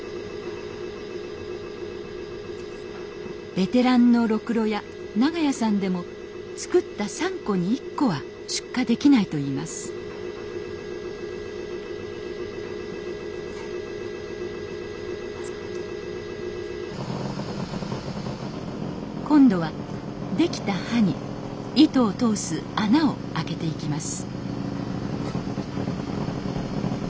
ベテランのろくろ屋長屋さんでも作った３個に１個は出荷できないといいます今度はできた歯に糸を通す穴を開けていきます